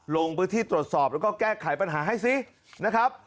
ลงพื้นที่ตรวจสอบแล้วก็แก้ไขปัญหาให้ซินะครับ